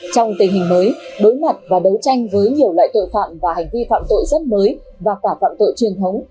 trong tình hình mới đối mặt và đấu tranh với nhiều loại tội phạm và hành vi phạm tội rất mới và cả phạm tội truyền thống